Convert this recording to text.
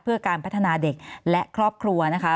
เพื่อการพัฒนาเด็กและครอบครัวนะคะ